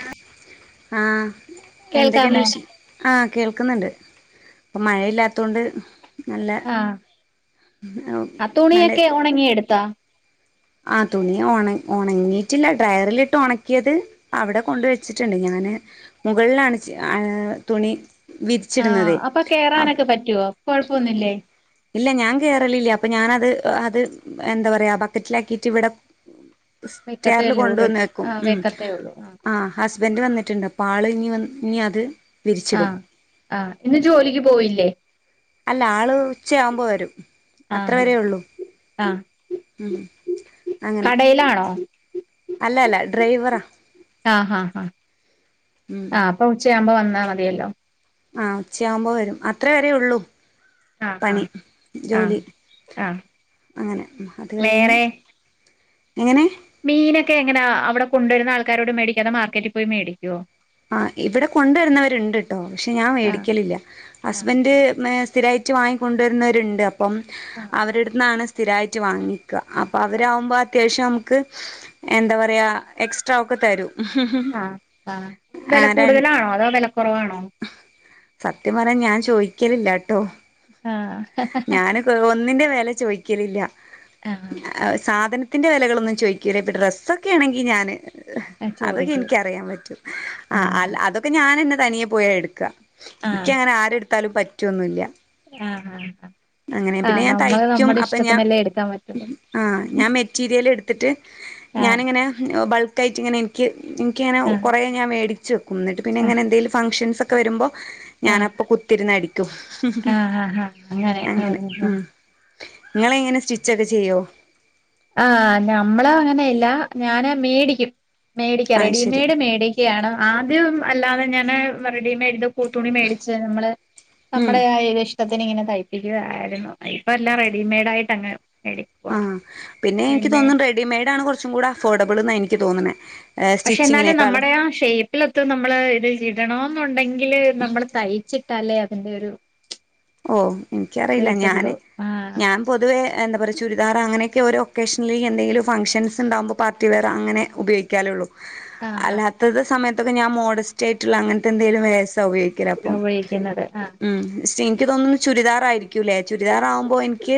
ആ ആ എന്തൊക്കെണ്ട് വിശേ ആ കേൾക്കുന്നുണ്ട്. ഇപ്പം മഴയില്ലാത്തോണ്ട് നല്ല ആഹ് ഹ് ആ ന്നാല് തുണിയൊക്കെ ഉണങ്ങിയെടുത്താ ആ തുണി ഒണ ഒണങ്ങിയിട്ടില്ല. ഡ്രയറിലിട്ട് ഒണക്കിയത്. അവിടെ കൊണ്ട് വെച്ചിട്ടുണ്ട് ഞാ ൻ മുകളിലാണ് ച് തുണി ആ വിരിച്ചിടുന്നതേ അപ്പൊ ആഹ് കേറാനൊക്കെ പറ്റുവോ കൊഴപ്പൊന്നുല്ലേ. ഇല്ല ഞാൻ കേറലില്ല അപ്പൊ ഞാന് അത് അത് എന്താ പറയാ ബക്കറ്റിലാക്കിട്ട് ഇവിടെ സ്റ്റെയറില് വെക്കത്തേല്ലേ ഉള്ളൂ കൊണ്ടുവന്ന് വെക്കും. ആഹ് ഉം വെക്കത്തേ ഉള്ളൂ ആഹ് ആ ഹസ്ബൻഡ് വന്നിട്ടെണ്ടെപാള് ഇനി വന്ന് ഇനി അത് വിരിച്ചിടും ആഹ് ആഹ് ഇന്ന് ജോലിക്ക് പോയില്ലേ അല്ല ആള് ഉച്ചയാവുമ്പോ വരും. ആഹ് അത്രവരേ ഒള്ളൂ ആഹ് ഉം അങ്ങനെ കടയിലാണോ അല്ലാ അല്ലാ ഡ്രൈവറാ. ആഹ് ആഹ് ആഹ് ഉം ആഹ് അപ്പ ഉച്ചയാവുമ്പോ വന്നാ മതിയല്ലോ ആഹ് ഉച്ചയാവുമ്പോ വരും അത്ര വരേയുള്ളൂ. ആഹ് പണി ആഹ് ആഹ് ജോലി ആഹ് അങ്ങനെ അത് കഴിഞ്ഞ് വേറെ എങ്ങനെ ഇക്കെങ്ങനാ അവിട കൊണ്ടരുന്ന ആൾക്കാരോട് മേടിക്കാതേ മാർക്കറ്റിൽ പോയി മേടിക്കോ. ആഹ് ഇവിട കൊണ്ടുവരുന്നവരിണ്ടിട്ടോ പക്ഷെ ഞാൻ ആഹ് മേടിക്കലില്ല ആഹ് ഹസ്ബന്റ് മേ സ്ഥിരായിട്ട് വാങ്ങിക്കൊണ്ടുവരുന്നവരിണ്ട് അപ്പം ആഹ് അവരിടടുത്ത്ന്നാണ് സ്ഥിരായിട്ട് വാങ്ങി അപ്പ അവരാവുമ്പാത്യാവശ്യം നമുക്ക് എന്താ പറയാ എക്സ്ട്രാ ഒക്ക തരൂം ഹും ഹും.. വെല കൂടുതലാണോ അതോ വെല കൊറവാണോ. സത്യം പറയാൻ ഞാൻ ചോദിക്കലില്ലാട്ടോ ആഹ് ഞാന് കോ ഒന്നിന്റെ വെൽ ചോയിക്കലില്ലാ ആഹ് എ സാധന ഇതിന്റെ വിലകളൊന്നും ചോയിക്കില്ലേ ഇപ്പത്തേ ഡ്രസ്സൊക്കെ ആണെങ്കി ഞാന് ആ ചോദിക്കും അതൊക്കെനിക്കറിയാൻ പറ്റും. ആ ആഹ് അല് അതൊക്കെ ഞാനന്നെ തനിയെ പോയാ എടുക്ക.. ചോറിക്ക് ആഹ് ആഹ് എനിക്കങ്ങനെ ആരെടുത്താലും പറ്റോന്നൂല്ല. ആഹ് ആഹ് ആഹ് അങ്ങിനെ പിന്നെ ഞാൻ നമ്മള് തയ്ക്കും നമ്മുടെ അപ്പ ഞാൻ ഇഷ്ടത്തിനല്ലേ എടുക്കാൻ പറ്റുള്ളൂ ആ ഞാൻ മെറ്റീരിയൽ എടുത്തിട്ട് ആഹ് ഞാനിങ്ങനെ ബൾക്ക് യിങ്ങനേ എനിക്ക് എനിക്കിങ്ങന ആഹ് കൊറെ ഞാൻ മേടിച്ച് വെക്കും എന്നെട്ട് ആഹ് പിന്നെങ്ങനെ എന്തെങ്കലും ഫങ്ങ്ഷൻസൊക്കെ വരുമ്പോ ആഹ് ഞാനപ്പൊ കുത്തിരുന്നടിക്കും ആഹ് ആഹ് ആഹ് അങ്ങനെ ഉം നിങ്ങളിങ്ങനെ സ്റ്റിച്ചൊക്കെ ചെയ്യോ. ആഹ് ഞമ്മളോങ്ങനെല്ല ഞാന് മേടിക്കും. മേടിക്കാ അത് ശരി റെഡിമെയ്ഡ് മേടിക്കയാണ്, ആദ്യം അല്ലാതെ ഞാന് റെഡിമെയ്ഡ് പൂത്തുണി മേടിച്ച് നമ്മള് ഉം നമ്മുടെതായ [unintelligible] ഇതിന് ഇങ്ങനെ തയ്പ്പിക്കുകയായിരുന്നു, ഇപ്പെല്ലാം റെഡിമെയ്ഡായിട്ടങ്ങ് മേടിക്കുവാ. ആഹ് പിന്നെ എനിക്ക് തോന്നും റെഡിമെയ്ഡാണ് കുറച്ചും കൂടെ അഫോർഡബിളെന്നാ എനിക്ക് തോന്നണെ പക്ഷെ എന്നാലും നമ്മടേയാ ഷേപ്പിലൊത്ത് നമ്മള് ഇത് ഇടണോ ന്നെണ്ടെങ്കില് നമ്മള് തയ്ച്ചി ട്ടാലേ അതിൻ്റൊരു ഓ എനിക്കറിയില്ല ഞാന് ആഹ് ഞാൻ പൊതുവേ എന്താ പറയാ ചുരിദാറ് അങ്ങനെയൊക്കെ ഒരോ ഒക്കേഷനില് എന്തങ്കിലും ഫങ്ഷൻസിണ്ടാവുമ്പോ പാർട്ടി വെയർ അങ്ങനെ ഉപയോഗിക്കാലെള്ളൂ. ആഹ് അല്ലാത്തത് സമയത്തൊക്കെ ഞാൻ മോഡസ്റ്റായിട്ടുള്ള അങ്ങനത്തെ എന്തേലും വെയേസ് [unintelligible] ആഹ് ലപ്പം ഉപയോഗിക്കുന്നത് ആഹ് ഇം എനിക്ക് തോന്നുന്നു ചുരിദാറായിരിക്കൂല്ലേ ചുരിദാറാകുമ്പോ എനിക്ക്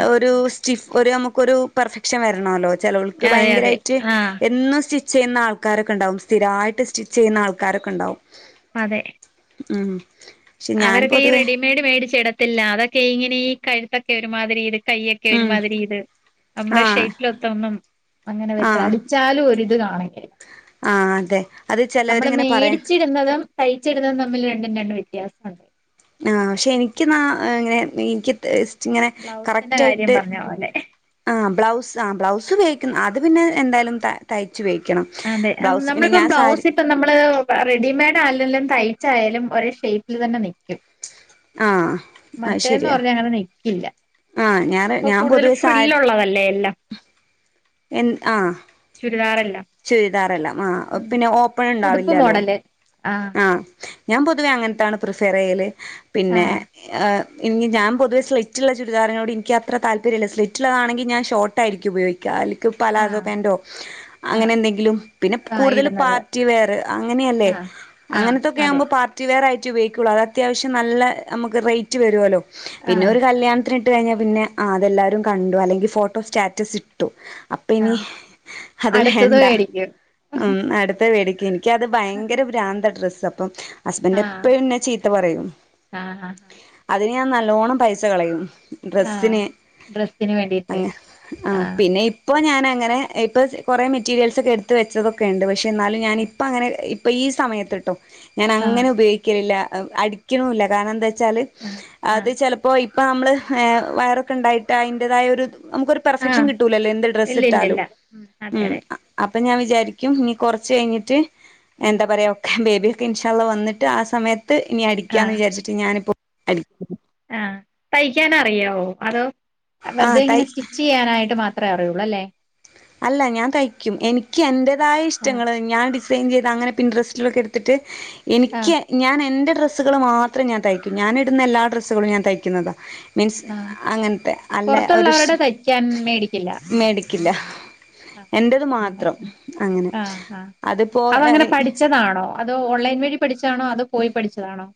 ആഹ് ഒരു സ്റ്റിഫ് ഒരു നമുക്കൊരു പെർഫെക്ഷൻ വരണോല്ലോ ചെലവൾക്ക് അതെ അതെ ഭയങ്കരായിട്ട് ആഹ് എന്നും സ്റ്റിച്ച് ചെയ്യുന്നാൾക്കാരക്കെണ്ടാവും സ്ഥിരായിട്ട് സ്റ്റിച്ച് ചെയ്യുന്ന ആൾക്കാരക്കെണ്ടാവും അതെ ഉം പക്ഷെ ഞാൻ അവരൊക്കെ ഈ പൊതുവേ റെഡിമെയ്ഡ് മേടിച്ചിടത്തില്ല അതൊക്കിങ്ങനെ ഈ കഴുത്തൊക്കെ ഒരുമാതിരി ഇത്.. കൈയൊക്കെ ഉം ഒരുമാതിരി ഇത്.. നമ്മുടെ ആഹ് ഷെയ്പ്പിലൊത്തൊന്നും അങ്ങനെ വരുത്ത ആഹ് അടിച്ചാലും ഒരിത് കാണിക്ക ആഹ് അതെ അത് നമ്മള് ചെലവരിങ്ങനെ പറയും മേടിച്ചിടുന്നതും തയ്ച്ചിടുന്നതും തമ് തമ്മിൽ രണ്ടും രണ്ട് വ്യത്യാസൊണ്ട്. ആ പക്ഷെ എനിക്കെന്നാ അങ്ങനെ എനിക്ക് തേസ് ഇങ്ങനെ ബ്ലൗസിന്റെ കാര്യം കറക്റ്റായിട്ട് പറഞ്ഞ പോലെ ആ ബ്ലൗസ് ആ ബ്ലൗസിങ്ങനേ അത് പിന്നെ എന്തായാലും താ തൈ അതെ നമ്മളിപ്പം ബ്ലൗസ് സാരി ഇപ്പ നമ്മള് റെഡിമെയ്ഡ് അല്ലെങ്കും തൈ [unintelligible] യാലും ഒരേ ഷേപ്പിൽ തന്നെ നിക്കും ആഹ് അത് മറ്റേന്ന് ശരിയാ പറഞ്ഞ അങ്ങനെ നിക്കില്ല ആഹ് ഞാൻ അപ്പൊ ഞാൻ കൂടുതൽ പൊതുവെ സാ ഫ്രില്ലുള്ളതല്ലേ എല്ലാം എ ആഹ് ചുരിദാറെല്ലാം ചുരിദാറെല്ലാം ആഹ്... പിന്നെ ഓപ്പൺ ഉണ്ടാവില്ലല്ലോ ആ ആഹ് ഞാൻ പൊതുവേ അങ്ങനത്താണ് പ്രിഫർ ചെയ്യൽ പിന്നെ ആഹ് ഇനി ഞാൻ പൊതുവ സ്ലിറ്റുള്ള ചുരിദറിനോട് എക്ക് അത്ര താല്പര്യമില്ല സ്ലിറ്റുള്ളതാണെങ്ക ഞാൻ ഷോട്ടായിരിക്കും ഉപയോഗിക്കാ അല് പലാസോ ആഹ് പാന്റോ അങ്ങനെ ആഹ് എന്തെങ്കിലും പിന്നെ ആഹ് കൂടുതല ഇടുന്നത് പാർട്ടി വെയർ അങ്ങനെയല്ലേ ആഹ് ആഹ് അങ്ങനത്തൊക്കെ അതെ ആകുമ്പോൾ പാർട്ടിവെയർായിട്ട് ഉപയോഗിക്കയുള്ളൂ അത് അത്യാവശം നമുക്ക് റേറ്റ് വരുമല്ലോ പിന്നെ ആഹ് ഒരു കല്യാണത്തിന് ഇട്ട് കഴിഞ്ഞാൽ പിന്നെ അതെല്ലാവാരും കണ്ടു അല്ലെങ്കിൽ ഫോട്ടോ സ്റ്റാറ്റസ് ഇട്ടു അപ്പ ഇനി ആഹ് അത് അടുത്തത് വേണ്ട മേടിക്കും ഉം അടുത്ത പേടിക്ക് എനിക്ക് അത് ഭയങ്കര ഭ്രാന്ത ഡ്രസ് അപ്പം ഹസ്ബൻഡ് ആഹ് എപ്പോഴും എന്നെ ചിത്തപറയും ആഹ് ആഹ് അതിന് ഞാൻ നല്ലോണം പൈസ കളയും ആഹ് ഡ്രസിന് ഡ്രസ്സിന് വേണ്ടിയിട്ട് ആഹ് ആപിന്നെ ഇപ്പോ ഞാൻ അങ്ങനെ ഇപ്പോ കുറെ മെറ്റീരിയൽസ്‌ക്ക് എടുത്ത് വെച്ചത് ഉണ്ട് പക്ഷെ എന്നാലും ഞാൻ ഇപ്പോ അങ്ങനെ ഇപ്പൊ ഈ സമയത്ത്ട്ടോ ഞാൻ ആഹ് അങ്ങനെ ഉപയോഗിക്കലില്ല അടിക്കണില്ല കാരണം എന്താ വെ വച്ചാല് ആഹ് അത് ആഹ് ചിലപ്പോ ഇപ്പ നമ്മള് വയറൊക്കെ ഉണ്ടായിട്ട് അതിന്റതായ ഒരു നമുക്കൊരു പെർഫെക്ഷൻ ആഹ് കിട്ടൂലല്ലോ എന്ത് ഡ്രസ്സ് ഇല്ല ഇല്ല ഇട്ടാലും ഇല്ല അതെ ഉം അതെ അപ്പൊ അപ്പൊ ഞാൻ വിചാരിക്കും ഇനി കുറച്ച് കഴിഞ്ഞിട്ട് ഉം എന്താ പറയാ ഒക്കെ ബേബിയൊക്കെ ഇൻഷാള്ള വന്നിട്ട് ആ സമയത്ത് ഇനി അടിക്കാ എന്ന് വിചരിച്ചിട്ട് ഞാനിപ്പോൾ അടി ആഹ തയ്ക്കാന അറിയോ അതോ ആ വെറുതെ ഇങ്ങനെ തൈ സ്റ്റിച്ച് ചെയ്യാനായിട്ട് മാത്രമേ അറിയൂ അളല്ലേ അല്ല ഞാൻ തയ്ക്കും എനിക്ക് എന്റേതായ ആഹ് ഇഷ്ടങ്ങൾ ഞാൻ ഡി ചെയ് അങ്ങനെ പിന്ററസ്റ്റ്ലൊക്കെ എടുത്തിട്ട് എനിക്ക് ആഹ് ഞൻ എന്റെ ഡ്രസ്സുകള് മാത്രം ഞാൻ തയ്ക്കു ഞാൻ ഇടുന്ന എല്ലാ ഡ്രസ്സുകളും ഞാൻ തയ്ക്കുന്നത് മീൻസ് ആഹ് അങ്ങനത്തെ അല്ല ഒരു പുറത്തുള്ളവരുടെ ശേ തയ്ക്കാൻ മേടിക്കില്ല മേടിക്കില്ല ആ എന്റത് മാത്രം അങ്ങ അങ്ങനെ ആഹ ആ അതിപ്പോ അതങ്ങനെ പഠിച്ചതാണോ അതോ ഓൺലൈൻ വഴി പഠിച്ചതാണോ അതോ പോയി പഠിച്ചതാണോ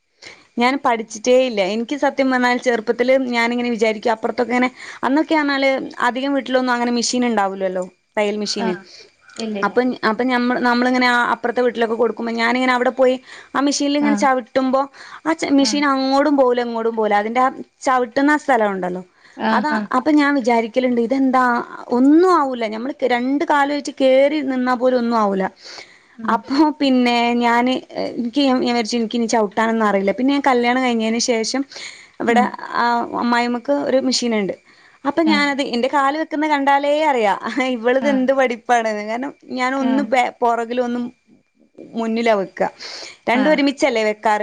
ഞാൻ പഠിച്ചിട്ടേ ഇല്ല എനിക്ക് സത്യം പറഞ്ഞ ചെറുപ്പത്തിലൽ ഞാൻ ഇങ്ങനെ വിചാരിക്കും അപ്പറത്തൊക്കെ ഇങ്ങനെ അന്ന് ക്കാ അന്നല് അധികം വീട്ടിലൊന്നും അങ്ങനെ മെഷീൻ ഉണ്ടാവൂല്ലല്ലോ തയ്യൽ മെഷീന് ആഹ് ഇല്ലില്ല അപ്പം അപ്പൊ നമ്മൾ നമ്മളിങ്ങനെ അപ്പുറത്തെ വീട്ടിലക്ക കൊടുക്കുമ്പോ ഞാനങ്ങെ അവിടെ പോയി ആ മെഷീനിൽ ഇങ്ങനെ ആഹ് ചവി ചവിട്ടിപ്പോ ആ ആഹ് മെഷീൻ അങ്ങോട്ടും പോകൂല ഇ ങ്ങോട്ടും പോകൂല അതിന്റെ ആ ചവിട്ടുന്ന ആ സ്ഥലം ഉണ്ടല്ലോ ആഹ് അതാ ആഹ് അപ്പൊ ഞാൻ വിചാരിക്ക ഒരിക്കലുണ്ട് ഇതെന്താ ഒന്നും ആവില്ല ഞമ്മൾ രണ്ട് കാല് വെച്ച് കയറി നിന്നാൽ പോലെ ഒന്നും ആവില്ല ഉം അപ്പൊ പിന്നെ ഞാന് എനിക്ക് ഞാൻ വി നി ചവിട്ടാനൊന്ന അറിയില്ല പിന്നെ ഞാൻ കല്ല്യാണം കഴിഞ്ഞതിന് ശേഷം അവിടെ ഉം അ അമ്മായിമ്മുക്ക് ഒരു മെഷീൻ ഉണ്ട് അപ്പൊ ആഹ് ഞാനത് എന്റെ കാല് വെക്കുന്നത് കണ്ടാലേ അറിയാം ആ ഇവളത് ആഹ് എന്ത് പഠിപ്പാണ്ന്ന് കാരണം ഞാൻ ഒന്ന് ആഹ് പോര ഒന്നും മുന്നിൽ വെക്ക രണ്ട ആഹ് ഒരുമിച്ച് വെക്കാർ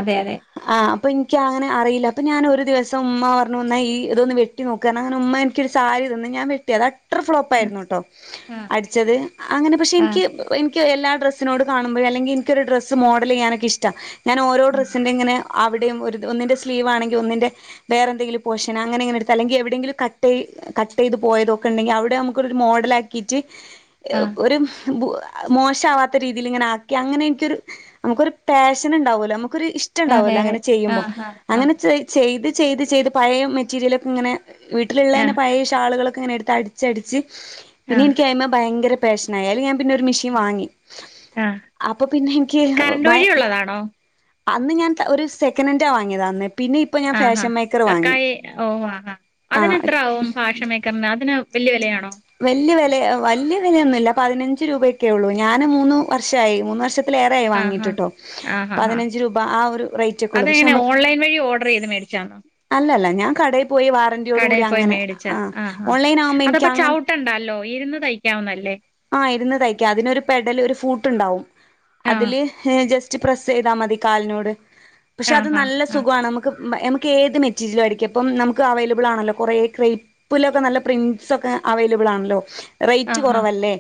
അതെ അതെ ആ അപ്പൊ എനിക്ക് അങ്ങനെ അറിയില്ല അപ്പൊ അപ്പൊ എനിക്ക് അറിയില്ല ഞാൻ ഒരു ദിവസ ഉമ്മ പറഞ്ഞു വന്നാ ഈ ഇതൊന്ന് വെട്ടി നോക്കു കാരണം അങ്ങന ഉമ്മ എനിക്ക് ഒരു സാധനം സാരി തന്നു ഞാന്‍ വെട്ടി അത് ആഹ് ഫ്ലോപ്പ്ആയിരുന്നു കേട്ടോ ആഹ് അടിച്ചത് അങ്ങനെ പക്ഷേ ആഹ് എനിക്ക് എനിക്ക് എല്ലാ ഡ്രസ്സിനോ കാണുമ്പോ അല്ലങ്ക എനിക്കൊരു ഡ്രസ്സ് മോഡൽ ചെയ്യാനോക്ക് ഇഷ്ട ഞൻ ഓരോ ഡസ്സിന്റെ ഇങ്ങനെ അവിടെ ഒരു ഒന്നിന്റെ സ്ലീവ് ണെങ്കിൽ ഒന്നിന്റെ വെറെന്തങ്കിലും പോഷൻ അങ്ങനെ എങ്ങനെ എടുത്ത് അല്ലെങ്കിൽ എവിടെങ്കിലും കട്ട് കട്ട് ചെയ്ത് പോയതൊക്കെ ഉണ്ടെങ്കിൽ അവിടെ നമുക്കൊരു മോഡൽ ആാക്കിയിട്ട് ഒരു മോശവാത്ത രീതിൽ ഇങ്ങനെ ആക്കി അങ്ങനെ എനിക്കൊരു നമുക്കൊരു പാഷൻ ഉണ്ടാവുമല്ലോ നമുക്കൊരു ഇഷ്ടം അതെ ഉണ്ടാവല്ലോ അതെ അങ്ങനെ ചെയ്യുമ്പോൾ ആഹ് ആഹ് അങ്ങനെ ആഹ് ചെയ്ത് ചെയ്ത് ചെയ്ത് പയേ മെറ്റീരിയലൊക്കെയിങ്ങനെ വീട്ടിലു ള്ളെന്നെ ആഹ് പയേ ഷാളുകളൊക്കെങ്ങെനെടുത്ത് അടിച്ചടിച്ച് പിന്നെ ആഹ് എനിക്കയ്മെ ഭയങ്കര പാഷനായി അയില് ഞാന് പിന്നെ മെഷീൻ വാങ്ങി ആഹ് അപ്പൊ പിന്നെ എനിക്ക് കറണ്ട് ഭയ വഴിയുള്ളതാണോ അന്ന് ഞാൻ ഒരു സെക്കനന്റ വാങ്ങിയതാന്ന് ആഹാ ക കായ ഓ ആഹാ ആ അതിനെത്ര ആവും ഭാഷ മേക്കറിന് അതിന് ല്യവെലയാണോ വല്യ വില ഓവല്യ വിലയൊന്നുംല്ല പതിനഞ്ച് രൂപയൊക്കേള്ളൂ ഞാന് മൂന്ന് വർഷായി മൂന്ന് വർഷ ത്തിലേറെയായി ആഹാ വാങ്ങീട്ടിട്ടോ ആഹാഹാ പതിനഞ്ച് രൂപ ആ ഒരു റൈറ്റെക്കെള്ളൂ പക്ഷെ നമുക്ക് റിചാണ് [unintelligible] അല്ലല്ല ഞാൻ കടയിൽ പോയി വാറന്റിയോട് കൂടി പോയി അങ്ങനെ മേടിച്ചാ ആ ഓൺലൈൻ ആകുമ്പോ എനിക്കങ്ങനെ ല്ലോ ഇരുന്ന് തയ്ക്കാവുന്നല്ലേ ആ ഇരുന്ന് തയ്ക്കാ അതിനരു പെടല് ഒരു ഫൂട്ടുണ്ടാവും ആഹ് അതില് ഹ്ജസ്റ്റ് പ്രസ് ചെയ്താൽ മതി കാലിനോട് പക്ഷെ അത് ആഹാ നല്ല ആഹ് സുഖമാണ് നമുക്ക് നമുക്ക് ഏത് മെറ്റീരിയലും അടിക്കപ്പം നമുക്ക് അവൈലബിൾ ആണല്ലോ കുറേ ക്രൈപ്പിലൊക്കെ നല്ല പ്രിൻസൊക്കെ അവൈലബിൾ ആണല്ലോ റൈറ്റ് ആഹാ കുറവല്ലേ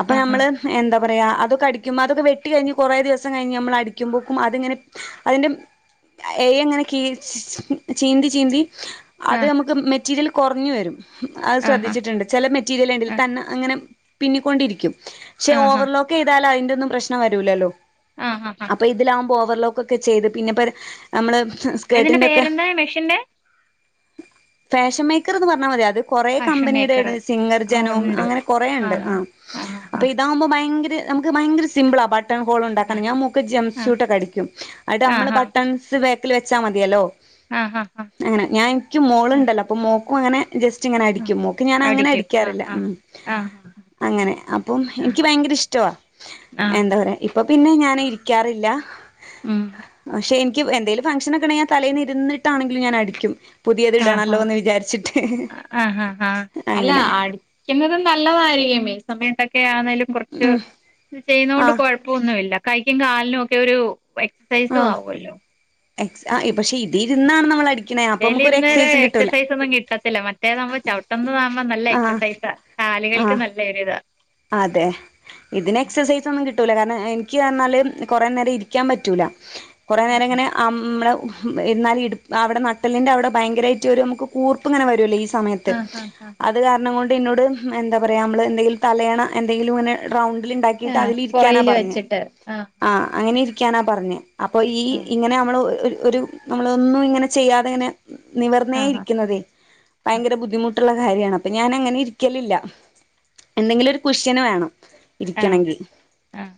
അപ്പം ആഹാ ഞമ്മള് എന്താ പറയാ അതൊക്കെടിക്ക്പോ പറയാഅതൊക്കെ അടിക്കുമ്പ അതൊക്കെ വെട്ടി കഴിഞ്ഞ് കൊറേ ദിവസം കയിഞ്ഞ് നമ്മൾ അടിക്കുമ്പോക്കും അതിങ്ങനെ അതിൻ്റെ അതിന്റെ ഏയ് അങ്ങനെ കീചീന്തി ചീന്തി അത് ആഹ് നമ്ക്ക് മെറ്റീരിയൽ കുറഞ്ഞു വരും അത് ആഹാ ശ്രദ്ധിച്ചിട്ടുണ്ട് ചില മെറ്റീരിയൽ കണ്ടില്ലേ ആഹ് തന്നെ അങ്ങനെ പിന്നിക്കൊണ്ടിരിക്കും പക്ഷെ ആഹാ ഓവർലോക്ക് ചെയ്താൽ അതിന്റെറന്നും പ്രശ്നം വരൂല്ലല്ലോ ആഹാഹാ അപ്പൊ ഇതിലാവുമ്പോ ഓവർലോകൊക്കെ ചെയ്ത് പിന്നെപ്പൊ നമ്മള് ഇതിന്റെ സ്കേർട്ടിന്റെ ക്കെ പേരെന്താ മെഷീന്റെ? ഫാഷൻ മേക്കർ എന്ന് പറഞ്ഞാൽ മതി അത് കുറേ ഭാഷ കമ്പനിയതേട് മേക്കറ് സിംഗർ ഓഹ് ജനവും ഉണ്ട് അങ്ങനെ കൊറേണ്ട് ആ ആഹാ ആഹാഹാ അപ്പൊ ഇതാകുമ്പോ ഭയങ്കര നമുക്ക് ഭയങ്കര സിമ്പിളാ ബട്ട് ബട്ടൺ ഹോൾ ഉണ്ടാക്കണം ആഹ് ഞാൻക്ക് ജെംസ് സ്യൂ ആഹ് ട്ടൊക്കെടിക്കും അട്ട് നമ്മള് ആഹാ ബട്ടൺസ് ബേക്കിൽ വെച്ചാ മതിയല്ലോ ആഹാഹാ അങ്ങനെ ഞാൻ എനിക്ക് ആ. മോളുണ്ടല്ലോ അപ്പൊ മോക്കും അങ്ങനെ ജസ്റ്റ് ഇങ്ങനെ ആഹ് അടിക്കുംമോക്ക് ഞാൻ അങ്ങനെ അടിക്കും ആഹ് അടിക്കാറില്ല ആഹ് ആഹ് ഉ അങ്ങനെ അപ്പം ആഹ് എനിക്ക് ഭയങ്കര ഇഷ്ടവാ ആഹ് എന്താ പറയാ ഇപ്പൊ പിന്നെ ഞാന് ഇരിക്കാറില്ല ഉം പക്ഷെ എനിക്ക് എന്തേലും ഫംഗ്ഷനൊക്കെഉണ്ടേൽ തലേന്നിരുന്ന് ഇട്ടാണെങ്കിലും ഞാൻ അടിക്കും പുതിയത് ഇടണല്ലോ ന്ന് വിചാരിച്ചിട്ട് ആ ആഹഅല്ല അങ്ങനെ അടിക്കുന്നതും നല്ലതായിരിക്കും സമയത്തൊക്കെ ആണേലും കുറച്ച് ഉം ചെയ്യുന്നോണ്ട് ആഹ് കുഴപ്പൊന്നുല്ല കൈക്കും കാലിനെക്കയൊരു ആഹ് എക്സസൈസുആവൊല്ലൊ പക്ഷെ ഇതിരിന്നാണ് നമ്മള ടി ഇതിലിരുന്നാല് എക്സസൈസൊന്നും കിട്ടത്തില്ല മറ്റേതാവുമ്പോ ചവിട്ടുന്ന താവുമ്പോ നല്ല ആഹ് എക്സസൈസാ ആളുകൾക്ക് ആഹ് നല്ലൊരി ദ അതെ ഇതിന് എക്സസൈസൊന്നും ട്ടൂലകാരണം എനിക്ക് ന്നർഞ്ഞാല്കുറേ നേരം ഇരിക്കാൻ പറ്റൂല കുറേ നേരം ആഹ് ഇങ്ങനെ അമ്മെള് എന്നാലും ഇടുപ്പ് അവിടെ നട്ടലി്ന്റെ അവിടെ ഭയങ്കരായിട്ട് ഒരു നമുക്കൊരു കൂർപ്പ്ങ്ങനെ വരുല്ലോ ഈ സമയത്ത് ആഹ് ആഹ് ആഹ് അത് കാരണം കൊണ്ടെ ന്നോട് എന്താ പറയാ നമ്മള് എന്തെങ്കിലും തലയണ എന്തെങ്കിലും ഇങ്ങനെ റൗണ്ടിൽ ഇണ്ടാക്കിട്ട് ആഹ് അതിലിരിക്കാനാ പുറയില് പറഞ്ഞെ വെച്ചിട്ട് ആഹ് ആ അങ്ങനെ ഇരിക്കാനാ പറഞ്ഞെ അപ്പൊ ഈ ആഹ് ഇങ്ങനെ നമ്മള് ഒരു ഒരുനമ്മളൊന്നും ഇങ്ങനെ ചെയ്യാതെ ങ്ങനെ നിവർന്നേ ആഹ് ഇരിക്കുന്നതെ ഭയങ്കര ബുദ്ധിമുട്ട് കാര്യമാണ് അപ്പൊ ഞാൻ അങ്ങനെ ഇരിക്കലില്ല എന്തെങ്കിലൊരു കുഷ്യന് വേണം ആഹ് ഇരിക്കണെങ്കിൽ ആഹ്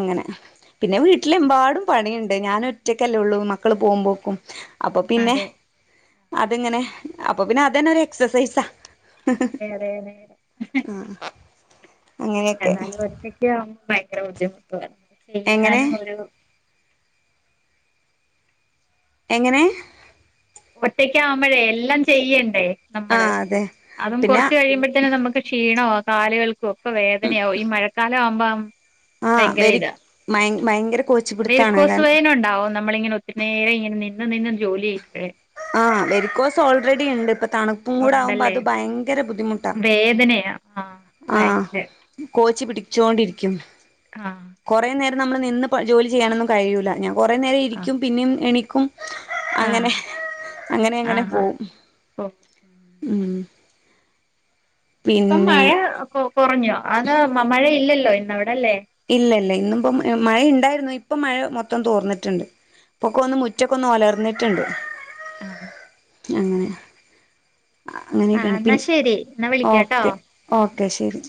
അങ്ങനെ പിന്നെ വീട്ടിലെമ്പാടും പണിയുണ്ട് ഞാൻ ഒറ്റക്കല്ലേ ഉള്ളൂ മക്കള് പോകുമ്പോക്കും അപ്പൊ പിന്നെ അതെ അതിങ്ങനെ അപ്പൊ പിന്നെ അതന്നെ ഒരു എക്സസൈസാ ഏടെ ഹെ ഹെ ഹെ അങ്ങനെയൊക്കെ എന്നാാലും ഒറ്റയ്ക്കാകുമ്പ ഭയങ്കര ബുദ്ധിമുട്ട നമ്മുക്ക് എങ്ങനെ ചെയ്യാനും ഒരു എങ്ങനെ ഒറ്റയ്ക്ക ആുമ്പോഴേ എല്ലാം ചെയ്യണ്ടേ ആ നമ്മള് അതെ അതും പിന്നെ കൊറച്ച് കഴിയുമ്പോഴത്തന്നെ നമുക്ക് ക്ഷീണോ കാലുകൾ ഒക്കെ വേദനയാവാംഈ മഴക്കാലം ആവുമ്പം ആ ഭയങ്കര ഇതാ ഭയ ഭയങ്കര കോച്ചി പിടുത്താണ് കാരണം വെരുക്കോസുവേൻഉണ്ടാവോ നമ്മളിങ്ങനെ ഒത്തിരി നേര ഇങ്ങനെ നിന്ന് നിന്ന് ജോലി ചെയ്യുമ്പഴേ ആഹ് വെരിക്കോസ് ഓൾറെഡി ഉണ്ട് ഇ തണുപ്പും കൂട ആകുമ്പോ ഉണ്ടല്ലേ അത് ഭയങ്കര ബുദ്ധിമുട്ടാ വേദനയാ ആഹ് ആഹ ബാക്കില് കോ ച്ചി പിടിച്ചോ ണ്ടിരിക്കും ആഹ് കുറേ നേരം നമ്മൾ നിന്ന് ജോലി ചെയ്യാനൊന്നും കഴില്ല ഞ കുറേ നേരം ആഹ് ഇരിക്കും പിന്നെയും എണീ ക്കും ആഹ് അങ്ങനെ അങ്ങനെ അങ്ങനെ ആഹ് ആഹ് പോവും ഓ ഉം. ഉ ഇപ്പം മഴ കൊ കുറഞ്ഞോ അത് മഴ ഇല്ലല്ലോ ഇന്നവിടെ ഇല്ലല്ല ഇന്നി ഇപ്പം മഴയുണ്ടായിരുന്നു ഇപ്പൊ മഴ മൊത്തം തോർന്നിട്ടുണ്ട് പപ്പൊക്കെ ഒന്ന് മുറ്റൊക്കെ ഒന്ന് ഒലർന്നിട്ടുണ്ട് ആഹ് അങ്ങനെ ആഹ് അങ്ങനെയൊക്കെയാണ് എന്നാ പിന്നെ ശരി എന്നാ വിളിക്കാട്ടോ ഓക്കെ ഓക്കെ ശരി